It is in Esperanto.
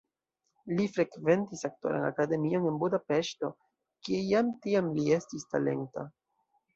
Li frekventis aktoran akademion en Budapeŝto, kie jam tiam li estis talenta.